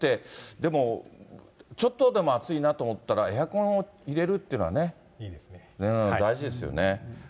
でも、ちょっとでも暑いなと思ったら、エアコンを入れるっていうのはね、大事ですよね。